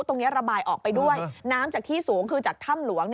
ตรงนี้ระบายออกไปด้วยน้ำจากที่สูงคือจากถ้ำหลวง